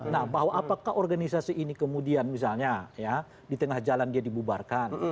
nah bahwa apakah organisasi ini kemudian misalnya ya di tengah jalan dia dibubarkan